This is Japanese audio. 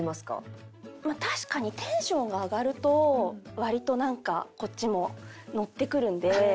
確かにテンションが上がると割となんかこっちもノってくるんで。